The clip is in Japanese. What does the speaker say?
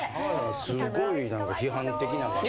すっごい何か批判的な感じで。